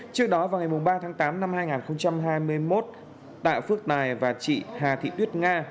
trước đó vào ngày ba tháng tám năm hai nghìn hai mươi một tạ phước tài và chị hà thị tuyết nga